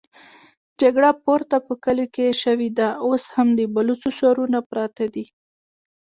جګړه پورته په کليو کې شوې ده، اوس هم د بلوڅو سرونه پراته دي.